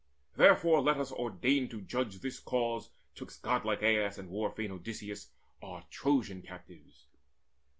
Therefore let us ordain to judge this cause 'Twixt godlike Aias and war fain Odysseus, Our Trojan captives.